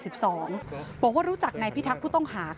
บอกว่ารู้จักนายพิทักษ์ผู้ต้องหา